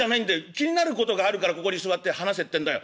気になることがあるからここに座って話せってんだよ。